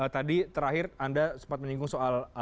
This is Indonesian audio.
tadi terakhir anda sempat menyinggung soal